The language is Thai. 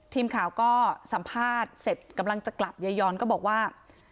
ทีมข่าวก็สัมภาษณ์เสร็จกำลังจะกลับยายยอนก็บอกว่า